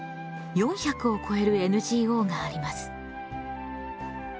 ４００を超えるＮＧＯがあります。